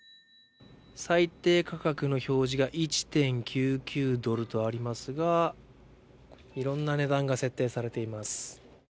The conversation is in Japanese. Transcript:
最低価格の表示が１．９９ドルとありますがいろんな値段が設定されています。